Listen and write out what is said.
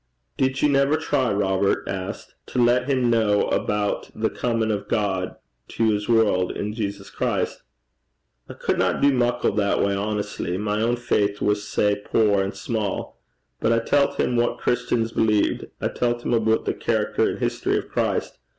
'Did ye never try,' Robert asked, 'to lat him ken aboot the comin' o' God to his world in Jesus Christ?' 'I couldna do muckle that way honestly, my ain faith was sae poor and sma'. But I tellt him what Christians believed. I tellt him aboot the character and history o' Christ.